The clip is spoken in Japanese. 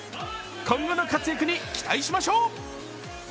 今後の活躍に期待しましょう。